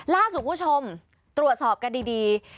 ล่าสุดคุณผู้ชมตรวจสอบกันดี